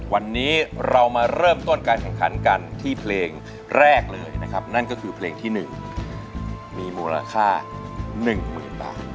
วันนี้เรามาเริ่มต้นการแข่งขันกันที่เพลงแรกเลยนะครับนั่นก็คือเพลงที่๑มีมูลค่า๑๐๐๐บาท